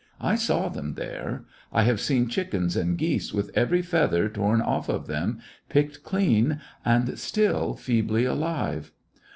I saw them there. I have seen chickens and geese with every feather torn off of them, picked clean, and still feebly alive.